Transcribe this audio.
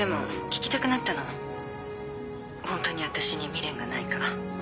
ホントに私に未練がないか。